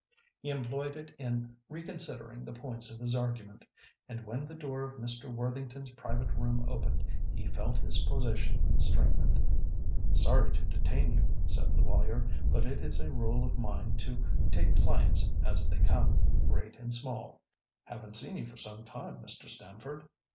He employed it in re considering the points of his argument, and when the door of Mr. Worthington's private room opened, he felt his position strengthened. "Sorry to detain you," said the lawyer, "but it is a rule of mine to take clients as they come, great and small. Haven't seen you for some time, Mr. Stamford.